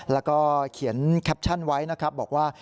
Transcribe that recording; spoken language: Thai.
แล้วก็เขียนแคปชั่นไว้นะครับบอกว่า